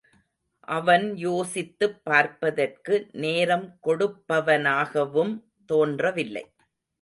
அவன் யோசித்துப் பார்ப்பதற்கு நேரம் கொடுப்பவனாகவும் தோன்றவில்லை.